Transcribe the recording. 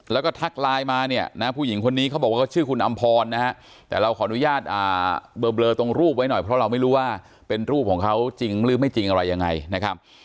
แล้วก็ทักไลน์มาเนี่ยนะผู้หญิงคนนี้เขาบอกว่าเขาชื่อคุณอำพรนะฮะแต่เราขออนุญาตเบลอตรงรูปไว้หน่อยเพราะเราไม่รู้ว่าเป็นรูปของเขาจริงหรือไม่จริงอะไรยังไงนะครับ